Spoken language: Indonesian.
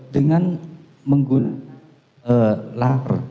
dengan menggunakan laser